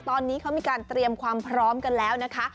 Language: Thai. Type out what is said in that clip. ตอนนี้เขามีการเตรียมความพร้อมกันแล้วนะคะ